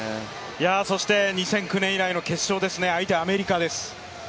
２００９年以来の決勝ですね、相手はアメリカです。